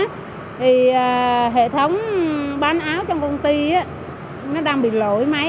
thì hệ thống bán áo trong công ty nó đang bị lỗi máy